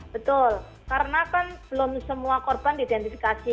betul karena kan belum semua korban diidentifikasi